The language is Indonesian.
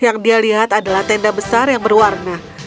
yang dia lihat adalah tenda besar yang berwarna